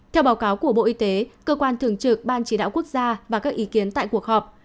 theo báo cáo của bộ y tế cơ quan thường trực ban chỉ đạo quốc gia và các ý kiến tại cuộc họp